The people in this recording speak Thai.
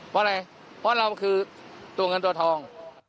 เพราะอะไรเพราะเราคือตัวเงินตัวทอง